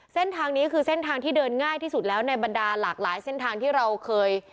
เส้นทางนี้คือเส้นทางที่เดินง่ายที่สุดแล้วในบรรดาหลากหลายเส้นทางที่เราเคย